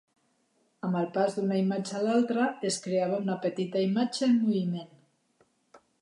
Amb el pas d'una imatge a l'altre, es creava una petita imatge en moviment.